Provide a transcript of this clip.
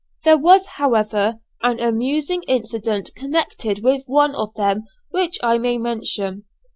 There was, however, an amusing incident connected with one of them which I may mention.